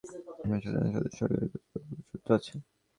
পুলিশও সাধারণ মানুষ যাদের জনসাধারণের সাথে সরাসরি যোগসূত্র আছে।